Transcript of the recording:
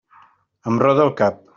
Em roda el cap.